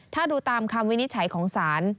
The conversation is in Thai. ถ้าดูตามคำวินิจฉัยของศาล